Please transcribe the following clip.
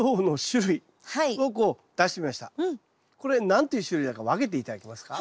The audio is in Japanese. これ何ていう種類だか分けて頂けますか？